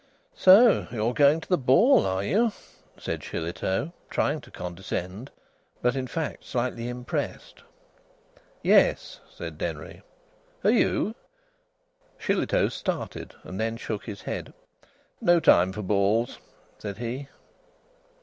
"So you're going to the ball, are you?" said Shillitoe, trying to condescend, but, in fact, slightly impressed. "Yes," said Denry; "are you?" Shillitoe started and then shook his head. "No time for balls," said he.